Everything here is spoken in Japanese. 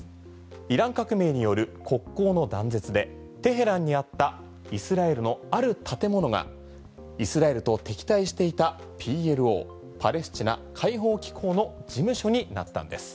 イラン革命による国交の断絶でテヘランにあったイスラエルのある建物がイスラエルと敵対していたＰＬＯ・パレスチナ解放機構の事務所になったんです。